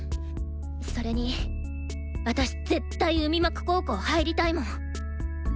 それに私絶対海幕高校入りたいもん！